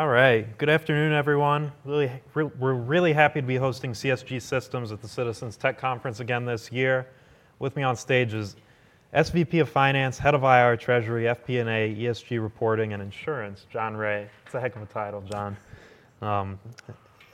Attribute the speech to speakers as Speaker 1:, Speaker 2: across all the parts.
Speaker 1: All right. Good afternoon, everyone. Really, we're really happy to be hosting CSG Systems at the Citizens Tech Conference again this year. With me on stage is SVP of Finance, Head of IR, Treasury, FP&A, ESG Reporting, and Insurance, John Rea. It's a heck of a title, John. I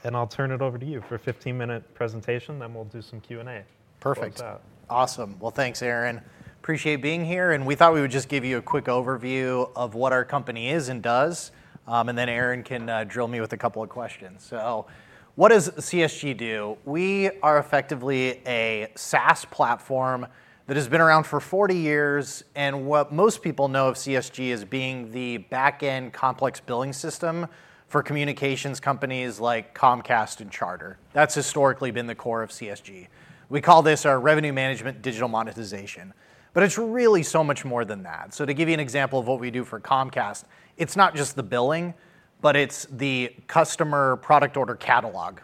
Speaker 1: will turn it over to you for a 15-minute presentation, then we'll do some Q&A.
Speaker 2: Perfect. Awesome. Thanks, Aaron. Appreciate being here. We thought we would just give you a quick overview of what our company is and does. Aaron can drill me with a couple of questions. What does CSG do? We are effectively a SaaS platform that has been around for 40 years. What most people know of CSG is being the back-end complex billing system for communications companies like Comcast and Charter. That has historically been the core of CSG. We call this our revenue management digital monetization. It is really so much more than that. To give you an example of what we do for Comcast, it is not just the billing, but it is the customer product order catalog,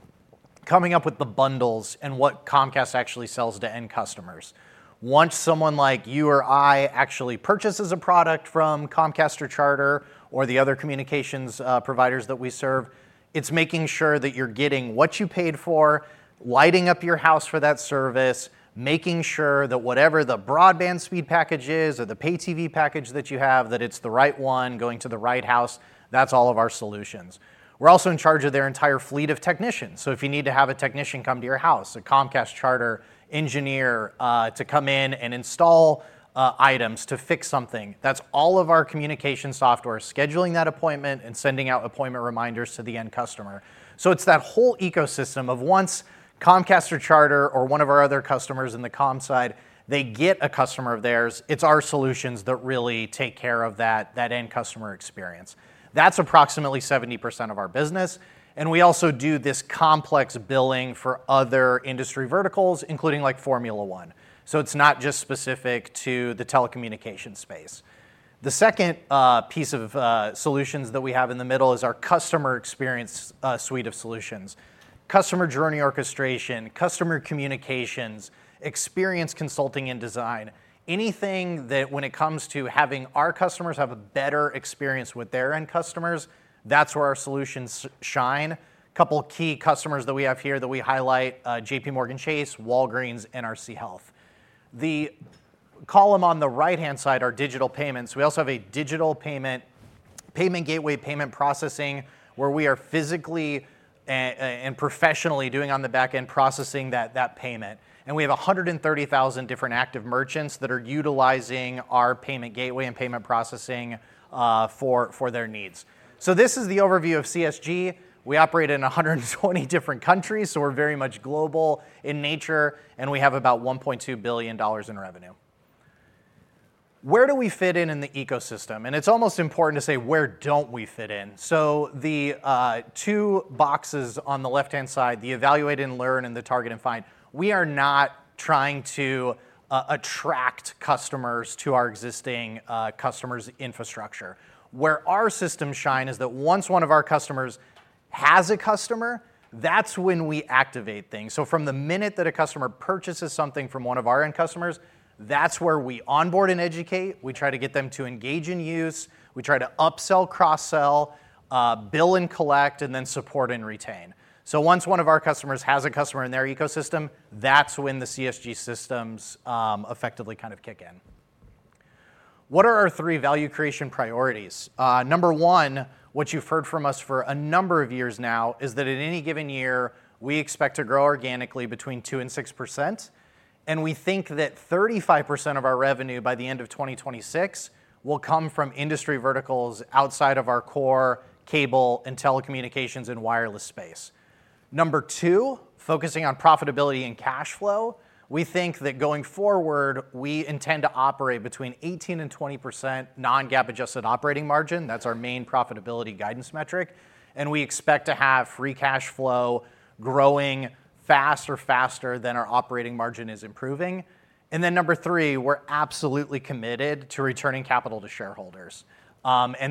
Speaker 2: coming up with the bundles and what Comcast actually sells to end customers. Once someone like you or I actually purchases a product from Comcast or Charter or the other communications providers that we serve, it's making sure that you're getting what you paid for, lighting up your house for that service, making sure that whatever the broadband speed package is or the pay TV package that you have, that it's the right one going to the right house. That's all of our solutions. We're also in charge of their entire fleet of technicians. If you need to have a technician come to your house, a Comcast or Charter engineer to come in and install items, to fix something, that's all of our communication software scheduling that appointment and sending out appointment reminders to the end customer. It's that whole ecosystem of once Comcast or Charter or one of our other customers in the comm side, they get a customer of theirs, it's our solutions that really take care of that end customer experience. That's approximately 70% of our business. We also do this complex billing for other industry verticals, including like Formula 1. It's not just specific to the telecommunications space. The second piece of solutions that we have in the middle is our customer experience suite of solutions: customer journey orchestration, customer communications, experience consulting and design. Anything that when it comes to having our customers have a better experience with their end customers, that's where our solutions shine. A couple of key customers that we have here that we highlight: JPMorgan Chase, Walgreens, NRC Health. The column on the right-hand side are digital payments. We also have a digital payment gateway payment processing where we are physically and professionally doing on the back-end processing that payment. We have 130,000 different active merchants that are utilizing our payment gateway and payment processing for their needs. This is the overview of CSG. We operate in 120 different countries. We are very much global in nature. We have about $1.2 billion in revenue. Where do we fit in in the ecosystem? It is almost important to say, where do not we fit in? The two boxes on the left-hand side, the evaluate and learn and the target and find, we are not trying to attract customers to our existing customers' infrastructure. Where our systems shine is that once one of our customers has a customer, that is when we activate things. From the minute that a customer purchases something from one of our end customers, that's where we onboard and educate. We try to get them to engage and use. We try to upsell, cross-sell, bill and collect, and then support and retain. Once one of our customers has a customer in their ecosystem, that's when the CSG systems effectively kind of kick in. What are our three value creation priorities? Number one, what you've heard from us for a number of years now is that in any given year, we expect to grow organically between 2% and 6%. We think that 35% of our revenue by the end of 2026 will come from industry verticals outside of our core, cable, and telecommunications and wireless space. Number two, focusing on profitability and cash flow. We think that going forward, we intend to operate between 18% to 20% non-GAAP adjusted operating margin. That's our main profitability guidance metric. We expect to have free cash flow growing faster than our operating margin is improving. Number three, we're absolutely committed to returning capital to shareholders.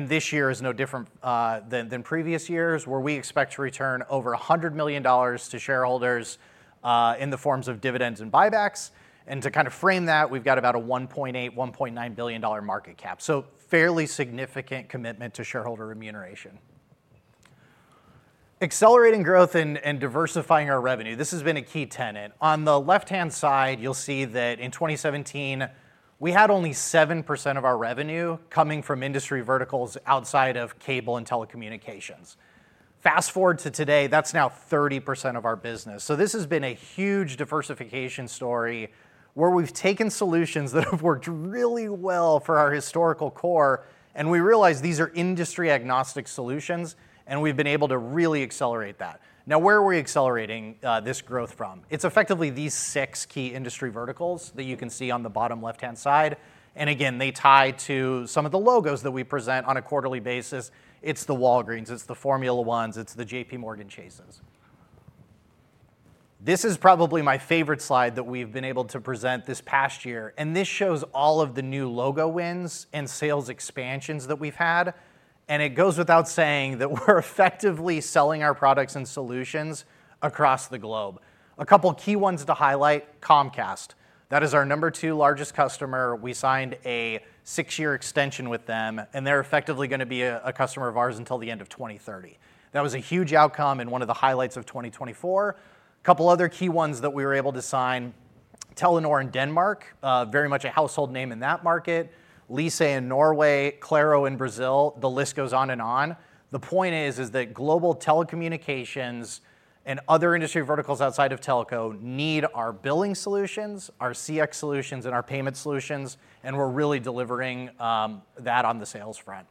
Speaker 2: This year is no different than previous years where we expect to return over $100 million to shareholders in the forms of dividends and buybacks. To kind of frame that, we've got about a $1.8 billion to $1.9 billion market cap. Fairly significant commitment to shareholder remuneration. Accelerating growth and diversifying our revenue, this has been a key tenet. On the left-hand side, you'll see that in 2017, we had only 7% of our revenue coming from industry verticals outside of cable and telecommunications. Fast forward to today, that's now 30% of our business. This has been a huge diversification story where we've taken solutions that have worked really well for our historical core. We realize these are industry-agnostic solutions. We've been able to really accelerate that. Now, where are we accelerating this growth from? It's effectively these six key industry verticals that you can see on the bottom left-hand side. Again, they tie to some of the logos that we present on a quarterly basis. It's the Walgreens'. It's the Formula 1's. It's the JPMorgan Chases. This is probably my favorite slide that we've been able to present this past year. This shows all of the new logo wins and sales expansions that we've had. It goes without saying that we're effectively selling our products and solutions across the globe. A couple of key ones to highlight: Comcast. That is our number two largest customer. We signed a six-year extension with them. They're effectively going to be a customer of ours until the end of 2030. That was a huge outcome and one of the highlights of 2024. A couple of other key ones that we were able to sign: Telenor in Denmark, very much a household name in that market; Lyse in Norway; Claro in Brazil. The list goes on and on. The point is that global telecommunications and other industry verticals outside of telco need our billing solutions, our CX solutions, and our payment solutions. We're really delivering that on the sales front.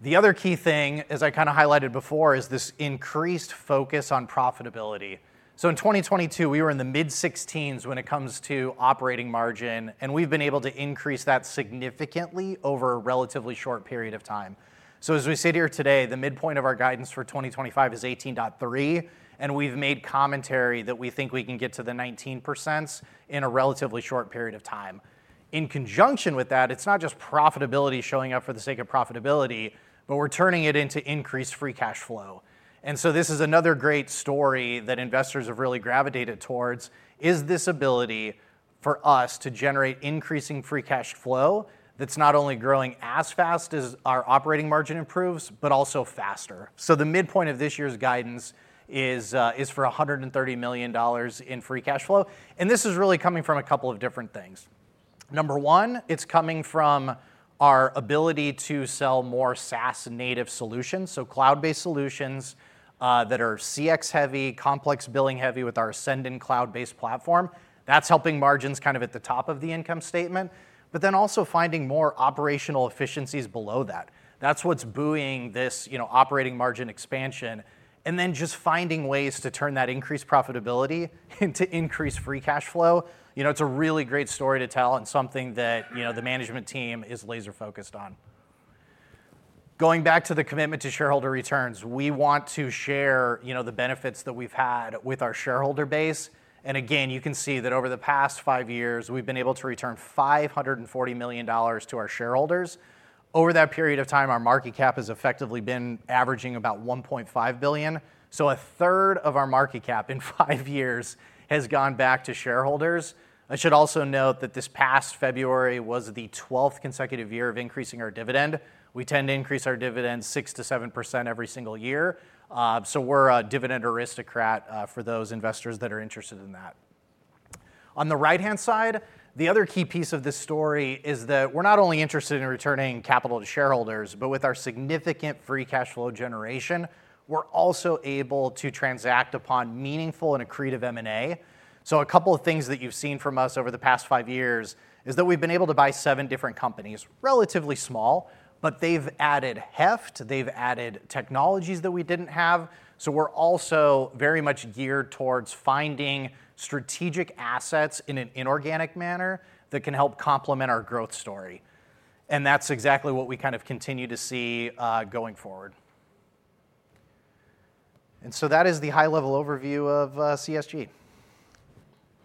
Speaker 2: The other key thing, as I kind of highlighted before, is this increased focus on profitability. In 2022, we were in the mid-16s when it comes to operating margin. We've been able to increase that significantly over a relatively short period of time. As we sit here today, the midpoint of our guidance for 2025 is 18.3%. We have made commentary that we think we can get to the 19% in a relatively short period of time. In conjunction with that, it is not just profitability showing up for the sake of profitability, but we are turning it into increased free cash flow. This is another great story that investors have really gravitated towards is this ability for us to generate increasing free cash flow that is not only growing as fast as our operating margin improves, but also faster. The midpoint of this year's guidance is for $130 million in free cash flow. This is really coming from a couple of different things. Number one, it is coming from our ability to sell more SaaS-native solutions, so cloud-based solutions that are CX-heavy, complex billing-heavy with our Ascendant cloud-based platform. That's helping margins kind of at the top of the income statement, but then also finding more operational efficiencies below that. That's what's buoying this operating margin expansion. Then just finding ways to turn that increased profitability into increased free cash flow. It's a really great story to tell and something that the management team is laser-focused on. Going back to the commitment to shareholder returns, we want to share the benefits that we've had with our shareholder base. Again, you can see that over the past five years, we've been able to return $540 million to our shareholders. Over that period of time, our market cap has effectively been averaging about $1.5 billion. So a third of our market cap in five years has gone back to shareholders. I should also note that this past February was the 12th consecutive year of increasing our dividend. We tend to increase our dividends 6% to 7% every single year. We are a dividend aristocrat for those investors that are interested in that. On the right-hand side, the other key piece of this story is that we are not only interested in returning capital to shareholders, but with our significant free cash flow generation, we are also able to transact upon meaningful and accretive M&A. A couple of things that you have seen from us over the past five years is that we have been able to buy seven different companies, relatively small, but they have added heft. They have added technologies that we did not have. We are also very much geared towards finding strategic assets in an inorganic manner that can help complement our growth story. That is exactly what we kind of continue to see going forward. That is the high-level overview of CSG.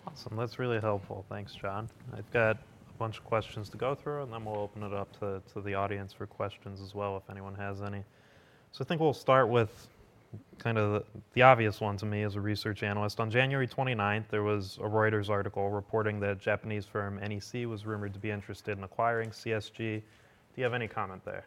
Speaker 1: Awesome. That's really helpful. Thanks, John. I've got a bunch of questions to go through. Then we'll open it up to the audience for questions as well, if anyone has any. I think we'll start with kind of the obvious one to me as a research analyst. On January 29, there was a Reuters article reporting that Japanese firm NEC was rumored to be interested in acquiring CSG. Do you have any comment there?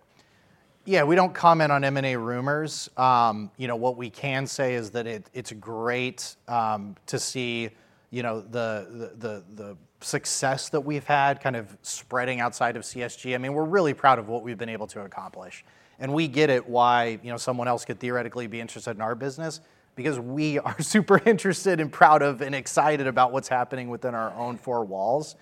Speaker 2: Yeah. We do not comment on M&A rumors. What we can say is that it is great to see the success that we have had kind of spreading outside of CSG. I mean, we are really proud of what we have been able to accomplish. We get it why someone else could theoretically be interested in our business, because we are super interested and proud of and excited about what is happening within our own four walls.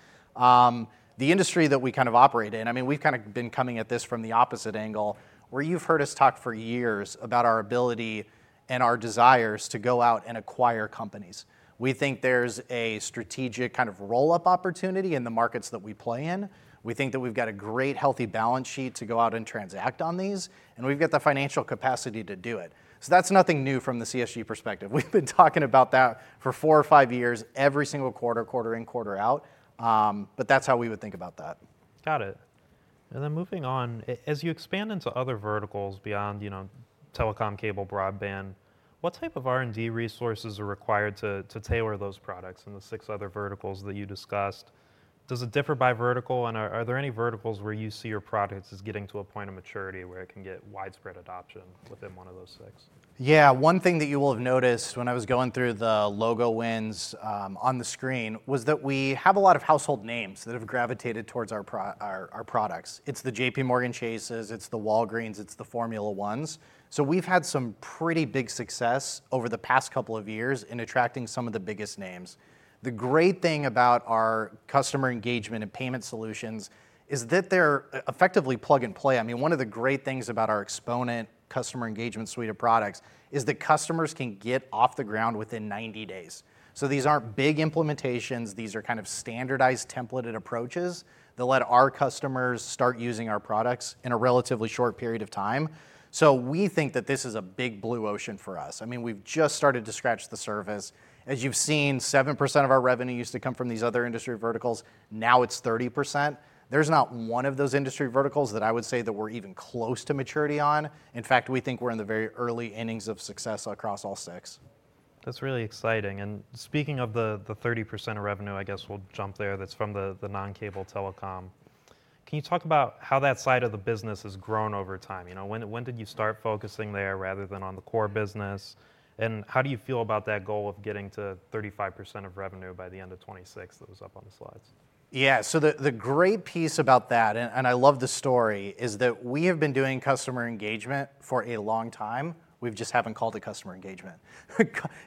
Speaker 2: The industry that we kind of operate in, I mean, we have kind of been coming at this from the opposite angle, where you have heard us talk for years about our ability and our desires to go out and acquire companies. We think there is a strategic kind of roll-up opportunity in the markets that we play in. We think that we have got a great, healthy balance sheet to go out and transact on these. We have the financial capacity to do it. That is nothing new from the CSG perspective. We have been talking about that for four or five years every single quarter, quarter in, quarter out. That is how we would think about that.
Speaker 1: Got it. Moving on, as you expand into other verticals beyond telecom, cable, broadband, what type of R&D resources are required to tailor those products in the six other verticals that you discussed? Does it differ by vertical? Are there any verticals where you see your products as getting to a point of maturity where it can get widespread adoption within one of those six?
Speaker 2: Yeah. One thing that you will have noticed when I was going through the logo wins on the screen was that we have a lot of household names that have gravitated towards our products. It's the JPMorgan Chase's. It's the Walgreens'. It's the Formula 1's. We have had some pretty big success over the past couple of years in attracting some of the biggest names. The great thing about our customer engagement and payment solutions is that they're effectively plug and play. I mean, one of the great things about our Xponent customer engagement suite of products is that customers can get off the ground within 90 days. These aren't big implementations. These are kind of standardized templated approaches that let our customers start using our products in a relatively short period of time. We think that this is a big blue ocean for us. I mean, we've just started to scratch the surface. As you've seen, 7% of our revenue used to come from these other industry verticals. Now it's 30%. There's not one of those industry verticals that I would say that we're even close to maturity on. In fact, we think we're in the very early innings of success across all six.
Speaker 1: That's really exciting. Speaking of the 30% of revenue, I guess we'll jump there. That's from the non-cable telecom. Can you talk about how that side of the business has grown over time? When did you start focusing there rather than on the core business? How do you feel about that goal of getting to 35% of revenue by the end of 2026 that was up on the slides?
Speaker 2: Yeah. The great piece about that, and I love the story, is that we have been doing customer engagement for a long time. We just haven't called it customer engagement.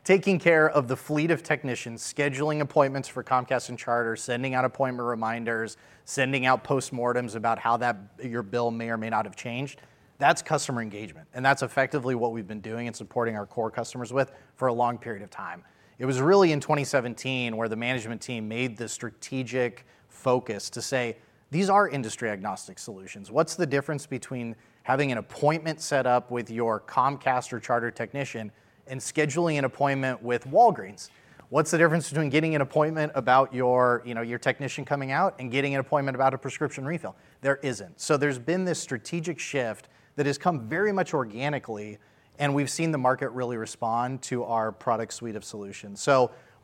Speaker 2: Taking care of the fleet of technicians, scheduling appointments for Comcast and Charter, sending out appointment reminders, sending out postmortems about how your bill may or may not have changed, that's customer engagement. That's effectively what we've been doing and supporting our core customers with for a long period of time. It was really in 2017 where the management team made the strategic focus to say, these are industry-agnostic solutions. What's the difference between having an appointment set up with your Comcast or Charter technician and scheduling an appointment with Walgreens? What's the difference between getting an appointment about your technician coming out and getting an appointment about a prescription refill? There isn't. There has been this strategic shift that has come very much organically. We have seen the market really respond to our product suite of solutions. We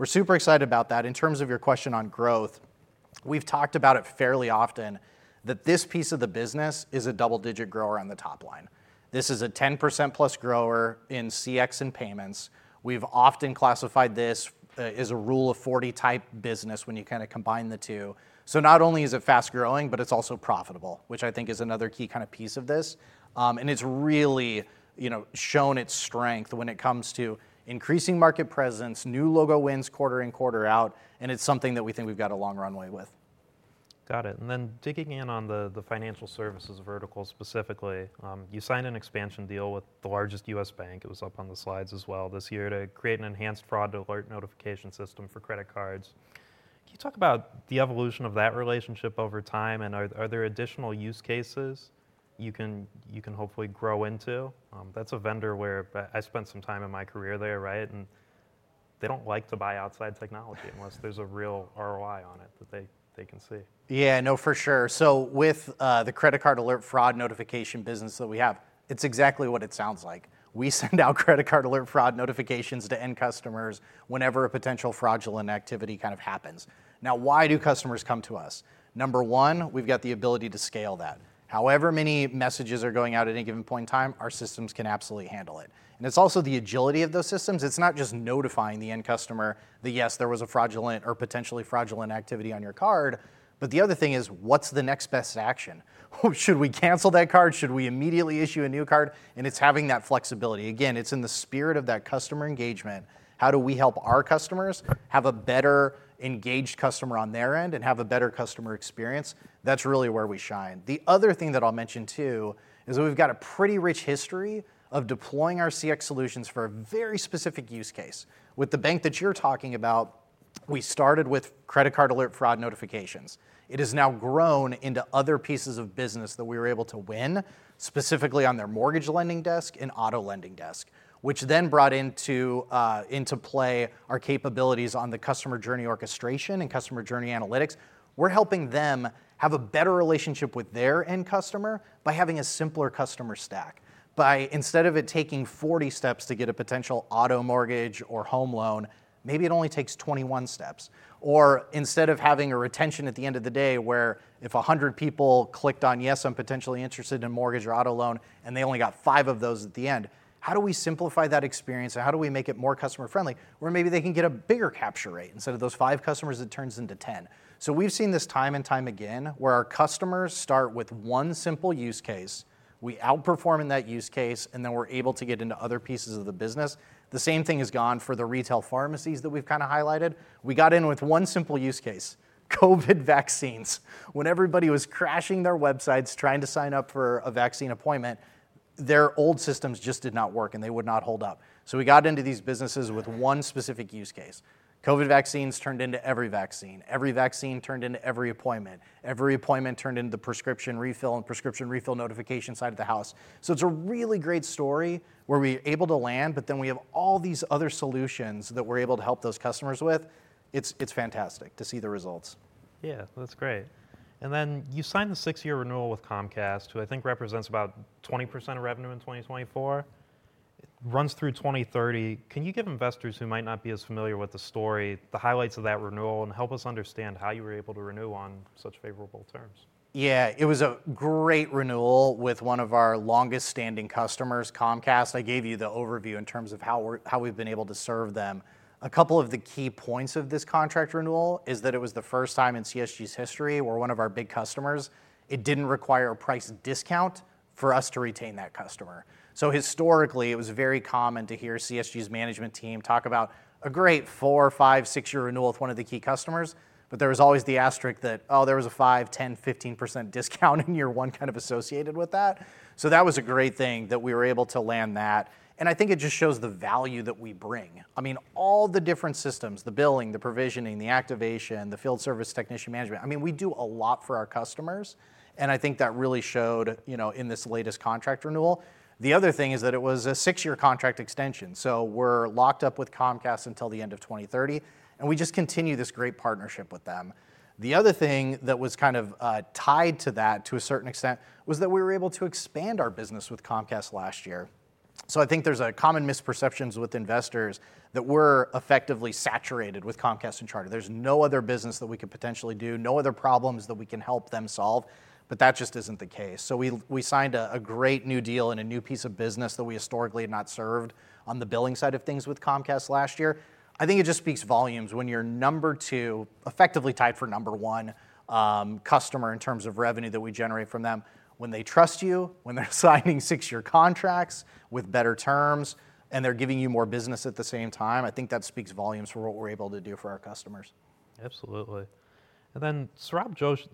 Speaker 2: are super excited about that. In terms of your question on growth, we have talked about it fairly often that this piece of the business is a double-digit grower on the top line. This is a 10% plus grower in CX and payments. We have often classified this as a rule of 40 type business when you kind of combine the two. Not only is it fast growing, but it is also profitable, which I think is another key kind of piece of this. It has really shown its strength when it comes to increasing market presence, new logo wins quarter in, quarter out. It is something that we think we have got a long runway with.
Speaker 1: Got it. Digging in on the financial services vertical specifically, you signed an expansion deal with the largest U.S. bank. It was up on the slides as well this year to create an enhanced fraud alert notification system for credit cards. Can you talk about the evolution of that relationship over time? Are there additional use cases you can hopefully grow into? That is a vendor where I spent some time in my career, right? They do not like to buy outside technology unless there is a real ROI on it that they can see. Yeah. No, for sure. With the credit card alert fraud notification business that we have, it's exactly what it sounds like. We send out credit card alert fraud notifications to end customers whenever a potential fraudulent activity kind of happens. Now, why do customers come to us? Number one, we've got the ability to scale that. However many messages are going out at any given point in time, our systems can absolutely handle it. It's also the agility of those systems. It's not just notifying the end customer that, yes, there was a fraudulent or potentially fraudulent activity on your card. The other thing is, what's the next best action? Should we cancel that card? Should we immediately issue a new card? It's having that flexibility. Again, it's in the spirit of that customer engagement. How do we help our customers have a better engaged customer on their end and have a better customer experience? That's really where we shine. The other thing that I'll mention too is that we've got a pretty rich history of deploying our CX solutions for a very specific use case. With the bank that you're talking about, we started with credit card alert fraud notifications. It has now grown into other pieces of business that we were able to win, specifically on their mortgage lending desk and auto lending desk, which then brought into play our capabilities on the customer journey orchestration and customer journey analytics. We're helping them have a better relationship with their end customer by having a simpler customer stack. Instead of it taking 40 steps to get a potential auto mortgage or home loan, maybe it only takes 21 steps. Instead of having a retention at the end of the day where if 100 people clicked on, yes, I'm potentially interested in a mortgage or auto loan, and they only got five of those at the end, how do we simplify that experience? How do we make it more customer-friendly where maybe they can get a bigger capture rate instead of those five customers that turns into 10? We have seen this time and time again where our customers start with one simple use case. We outperform in that use case. Then we are able to get into other pieces of the business. The same thing has gone for the retail pharmacies that we have kind of highlighted. We got in with one simple use case, COVID vaccines. When everybody was crashing their websites trying to sign up for a vaccine appointment, their old systems just did not work. They would not hold up. We got into these businesses with one specific use case. COVID vaccines turned into every vaccine. Every vaccine turned into every appointment. Every appointment turned into the prescription refill and prescription refill notification side of the house. It is a really great story where we are able to land. We have all these other solutions that we are able to help those customers with. It's fantastic to see the results. Yeah. That's great. Then you signed the six-year renewal with Comcast, who I think represents about 20% of revenue in 2024. It runs through 2030. Can you give investors who might not be as familiar with the story the highlights of that renewal and help us understand how you were able to renew on such favorable terms?
Speaker 2: Yeah. It was a great renewal with one of our longest-standing customers, Comcast. I gave you the overview in terms of how we've been able to serve them. A couple of the key points of this contract renewal is that it was the first time in CSG's history where one of our big customers, it didn't require a price discount for us to retain that customer. Historically, it was very common to hear CSG's management team talk about a great four, five, six-year renewal with one of the key customers. There was always the asterisk that, oh, there was a 5%, 10%, 15% discount in year one kind of associated with that. That was a great thing that we were able to land that. I think it just shows the value that we bring. I mean, all the different systems, the billing, the provisioning, the activation, the field service technician management, I mean, we do a lot for our customers. I think that really showed in this latest contract renewal. The other thing is that it was a six-year contract extension. We are locked up with Comcast until the end of 2030. We just continue this great partnership with them. The other thing that was kind of tied to that to a certain extent was that we were able to expand our business with Comcast last year. I think there is a common misperception with investors that we are effectively saturated with Comcast and Charter. There is no other business that we could potentially do, no other problems that we can help them solve. That just is not the case. We signed a great new deal and a new piece of business that we historically had not served on the billing side of things with Comcast last year. I think it just speaks volumes when you're number two, effectively tied for number one customer in terms of revenue that we generate from them. When they trust you, when they're signing six-year contracts with better terms, and they're giving you more business at the same time, I think that speaks volumes for what we're able to do for our customers.
Speaker 1: Absolutely. Saurabh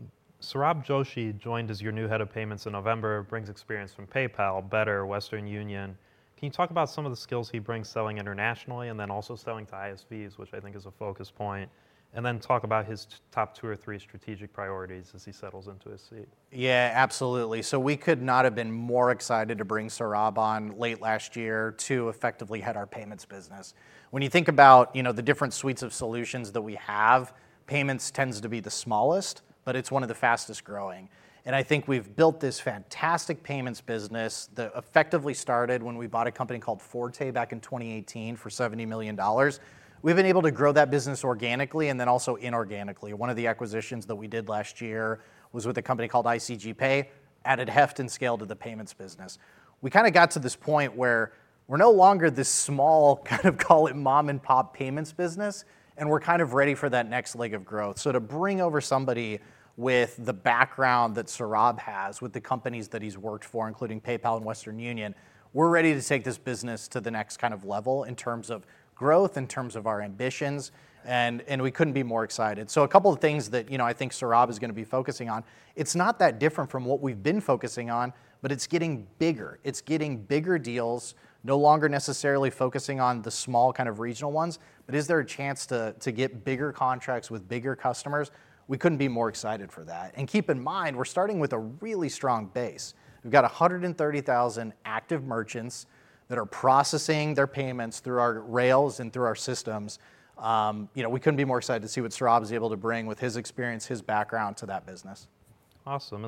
Speaker 1: Joshi joined as your new Head of Payments in November, brings experience from PayPal, Better, Western Union. Can you talk about some of the skills he brings selling internationally and also selling to ISVs, which I think is a focus point? Can you talk about his top two or three strategic priorities as he settles into his seat?
Speaker 2: Yeah. Absolutely. We could not have been more excited to bring Saurabh on late last year to effectively head our payments business. When you think about the different suites of solutions that we have, payments tends to be the smallest, but it's one of the fastest growing. I think we've built this fantastic payments business that effectively started when we bought a company called Forte back in 2018 for $70 million. We've been able to grow that business organically and then also inorganically. One of the acquisitions that we did last year was with a company called ICG Pay, added heft and scale to the payments business. We kind of got to this point where we're no longer this small kind of call it mom-and-pop payments business. We're kind of ready for that next leg of growth. To bring over somebody with the background that Saurabh has with the companies that he's worked for, including PayPal and Western Union, we're ready to take this business to the next kind of level in terms of growth, in terms of our ambitions. We couldn't be more excited. A couple of things that I think Saurabh is going to be focusing on, it's not that different from what we've been focusing on, but it's getting bigger. It's getting bigger deals, no longer necessarily focusing on the small kind of regional ones. Is there a chance to get bigger contracts with bigger customers? We couldn't be more excited for that. Keep in mind, we're starting with a really strong base. We've got 130,000 active merchants that are processing their payments through our rails and through our systems. We couldn't be more excited to see what Saurabh is able to bring with his experience, his background to that business.
Speaker 1: Awesome.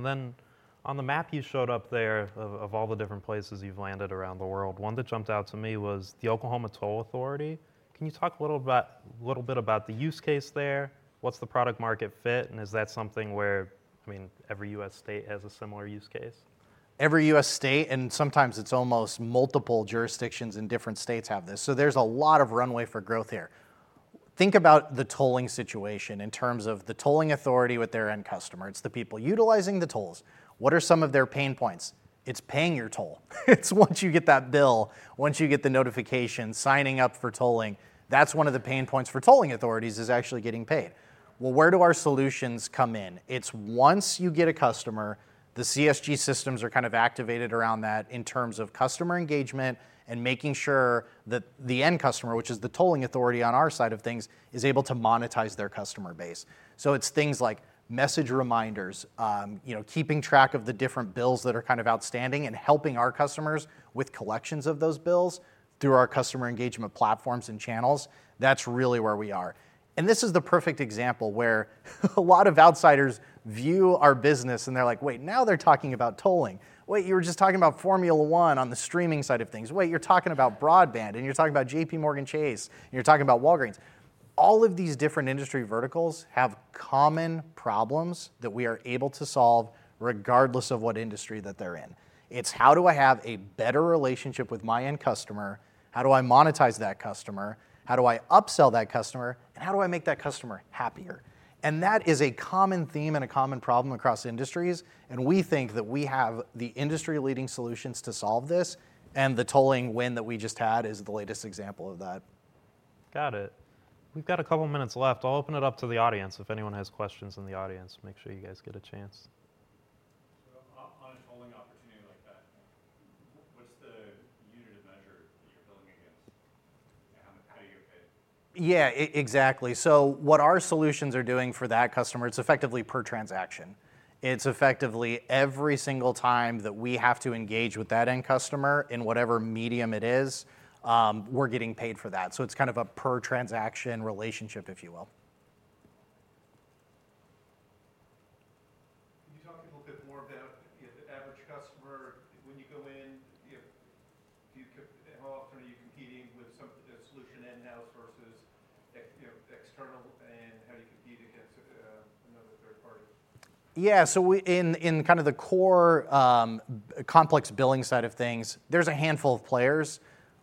Speaker 1: On the map you showed up there of all the different places you've landed around the world, one that jumped out to me was the Oklahoma Turnpike Authority. Can you talk a little bit about the use case there? What's the product-market fit? Is that something where, I mean, every U.S. state has a similar use case?
Speaker 2: Every U.S. state, and sometimes it's almost multiple jurisdictions in different states, have this. There is a lot of runway for growth here. Think about the tolling situation in terms of the tolling authority with their end customer. It's the people utilizing the tolls. What are some of their pain points? It's paying your toll. It's once you get that bill, once you get the notification, signing up for tolling. That's one of the pain points for tolling authorities, is actually getting paid. Where do our solutions come in? It's once you get a customer, the CSG systems are kind of activated around that in terms of customer engagement and making sure that the end customer, which is the tolling authority on our side of things, is able to monetize their customer base. It's things like message reminders, keeping track of the different bills that are kind of outstanding, and helping our customers with collections of those bills through our customer engagement platforms and channels. That's really where we are. This is the perfect example where a lot of outsiders view our business. They're like, wait, now they're talking about tolling. Wait, you were just talking about Formula 1 on the streaming side of things. Wait, you're talking about broadband. You're talking about JPMorgan Chase. You're talking about Walgreens. All of these different industry verticals have common problems that we are able to solve regardless of what industry that they're in. It's how do I have a better relationship with my end customer. How do I monetize that customer? How do I upsell that customer? How do I make that customer happier? That is a common theme and a common problem across industries. We think that we have the industry-leading solutions to solve this. The tolling win that we just had is the latest example of that.
Speaker 1: Got it. We've got a couple of minutes left. I'll open it up to the audience. If anyone has questions in the audience to make sure you guys get a chance.
Speaker 3: On a tolling opportunity like that, what's the unit of measure that you're billing against? How do you get paid?
Speaker 2: Yeah. Exactly. What our solutions are doing for that customer, it's effectively per transaction. It's effectively every single time that we have to engage with that end customer in whatever medium it is, we're getting paid for that. It's kind of a per-transaction relationship, if you will.
Speaker 3: Can you talk a little bit more about the average customer? When you go in, how often are you competing with a solution in-house versus external? How do you compete against another third party?
Speaker 2: Yeah. In kind of the core complex billing side of things, there's a handful of players.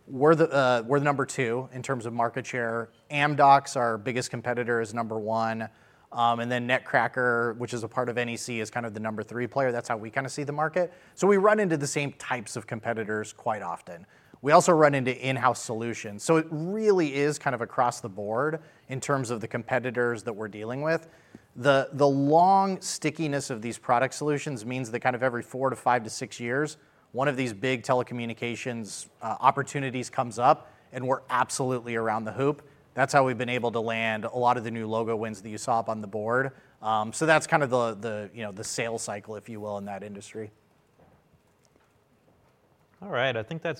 Speaker 2: We're the number two in terms of market share. Amdocs, our biggest competitor, is number one. Netcracker, which is a part of NEC, is kind of the number three player. That's how we kind of see the market. We run into the same types of competitors quite often. We also run into in-house solutions. It really is kind of across the board in terms of the competitors that we're dealing with. The long stickiness of these product solutions means that every four to five to six years, one of these big telecommunications opportunities comes up. We're absolutely around the hoop. That's how we've been able to land a lot of the new logo wins that you saw up on the board. That's kind of the sales cycle, if you will, in that industry.
Speaker 1: All right. I think that's.